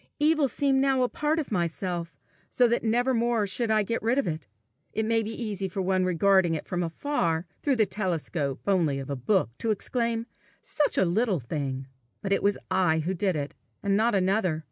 Evil seemed now a part of myself, so that nevermore should I get rid of it. It may be easy for one regarding it from afar, through the telescope only of a book, to exclaim, "Such a little thing!" but it was I who did it, and not another!